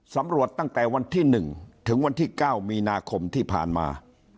สำรวจตั้งแต่วันที่๑ถึงวันที่๙มีนาคมที่ผ่านมา